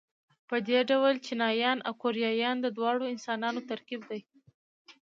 په دې ډول چینایان او کوریایان د دواړو انسانانو ترکیب دي.